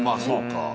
そうか。